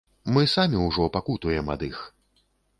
Мы самі ўжо пакутуем ад іх.